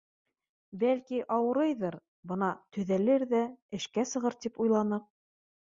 Бәлки, ауырыйҙыр, бына төҙәлер ҙә, эшкә сығыр тип уйланыҡ.